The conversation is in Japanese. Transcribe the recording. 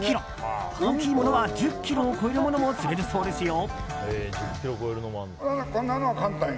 大きいものは１０ｋｇを超えるものも釣れるそうですよ。